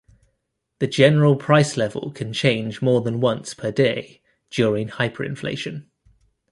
The general price level can change more than once per day during hyperinflation.